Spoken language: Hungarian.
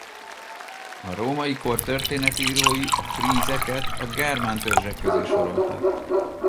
A római kor történetírói a frízeket a germán törzsek közé sorolták.